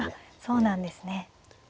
そうなんですね。